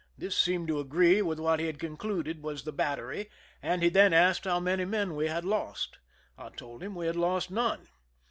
This seemed to agree with what he had concluded was the battery, and he then asked how many men we had lost. I told him we had lost none.